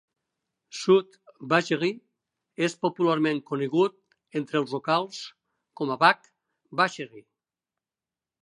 South Vacherie és popularment conegut entre els locals com a Back Vacherie.